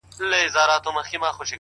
څو؛ د ژوند په دې زوال کي کړې بدل؛